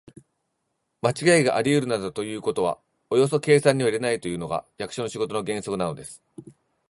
まちがいがありうるなどということはおよそ計算には入れないというのが、役所の仕事の原則なのです。